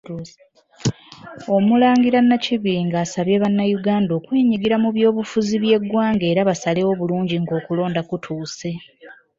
Omulangira Nakibinge asabye bannayuganda okwenyigira mu by’obufuzi by’eggwanga era basalewo bulungi ng'okulonda kutuuse.